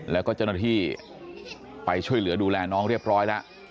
แล้วก็เจ้าหน้าที่ไปช่วยเหลือดูแลน้องเรียบร้อยแล้ว